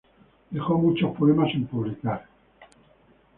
Dejó muchos poemas sin publicar.